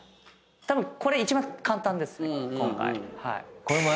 たぶんこれ一番簡単ですね今回。